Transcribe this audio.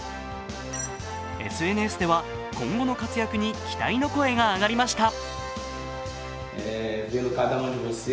ＳＮＳでは今後の活躍に期待の声が上がりました。